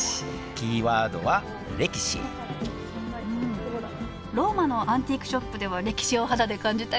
キーワードはローマのアンティークショップでは歴史を肌で感じたよね